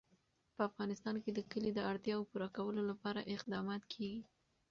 په افغانستان کې د کلي د اړتیاوو پوره کولو لپاره اقدامات کېږي.